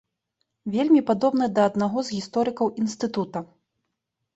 Вельмі падобны да аднаго з гісторыкаў інстытута.